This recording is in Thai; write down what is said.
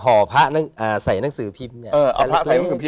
ห่อภาพศึกใส่หนังสือพิมพ์เออพระใส่เขาไปใช้แต่นั่งกระเป๋า